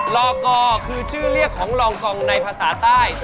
อกอคือชื่อเรียกของลอกองในภาษาใต้